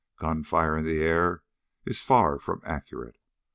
Gunfire in the air is far from accurate.